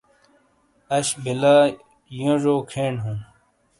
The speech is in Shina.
اش بلا یوں جو کھین ہوں ۔